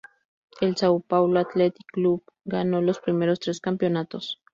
El São Paulo Athletic Club ganó los primeros tres campeonatos.